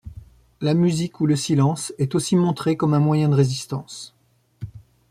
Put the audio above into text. La musique ou le silence est aussi montré comme un moyen de résistance.